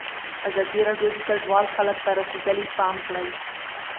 ازادي راډیو د کډوال حالت ته رسېدلي پام کړی.